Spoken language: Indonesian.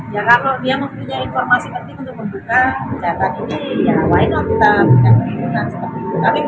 ya kalau dia mempunyai informasi penting untuk membuka kesehatan ini ya why not kita berikan perlindungan seperti itu